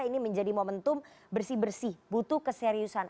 ini menjadi momentum bersih bersih butuh keseriusan